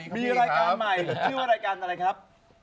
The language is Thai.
มีรายการใหม่ชื่อว่ารายการอะไรครับ